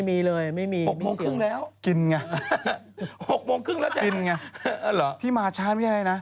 ไม่มีตังเติมข้าวร้อนลด